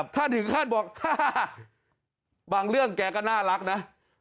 ถึงขั้นบอกถ้าบางเรื่องแกก็น่ารักนะ